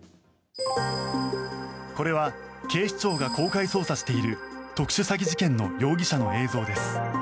これは警視庁が公開捜査している特殊詐欺事件の容疑者の映像です。